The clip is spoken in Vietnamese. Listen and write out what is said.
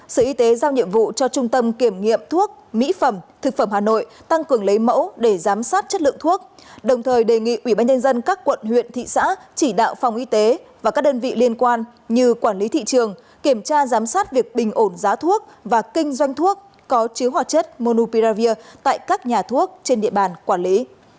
sở y tế giao nhiệm vụ cho trung tâm kiểm nghiệm thuốc mỹ phẩm thực phẩm hà nội tăng cường lấy mẫu để giám sát chất lượng thuốc đồng thời đề nghị ubnd các quận huyện thị xã chỉ đạo phòng y tế và các đơn vị liên quan như quản lý thị trường kiểm tra giám sát việc bình ổn giá thuốc và kinh doanh thuốc có chứa hoạt chất monopiravir tại các nhà thuốc trên địa bàn quản lý